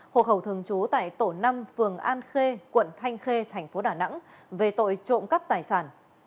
hộ khẩu thường chú tại tổ năm phường an khê quận thanh khê tp đà nẵng về tội trộm cắp tài sản